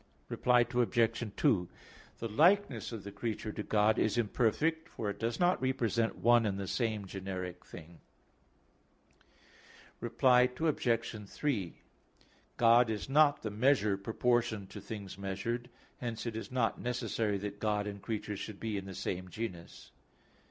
Reply Obj. 2: The likeness of the creature to God is imperfect, for it does not represent one and the same generic thing (Q. 4, A. 3). Reply Obj. 3: God is not the measure proportioned to things measured; hence it is not necessary that God and creatures should be in the same genus.